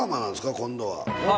今度は。